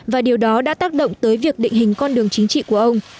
và điều đó đã tác động tới việc định hình con đường chính trị của ông